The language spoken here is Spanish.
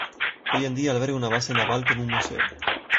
Hoy en día alberga una base naval con un museo.